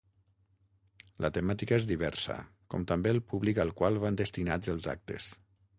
La temàtica és diversa, com també el públic al qual van destinats els actes.